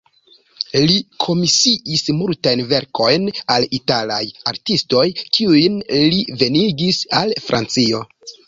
Li komisiis multajn verkojn al italaj artistoj, kiujn li venigis al Francio.